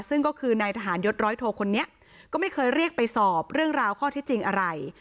ซึ่งก็คือนายทหารยศร้อยโทคนนี้ก็ไม่เคยเรียกไปสอบเรื่องราวข้อที่จริงอะไร